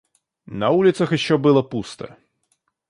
На улицах еще было пусто.